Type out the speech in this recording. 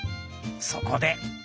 そこで。